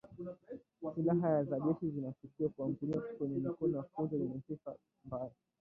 Silaha za jeshi zinashukiwa kuangukia kwenye mikono ya kundi lenye sifa mbaya